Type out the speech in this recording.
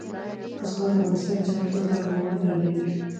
زغال د افغانستان د صنعت لپاره مواد برابروي.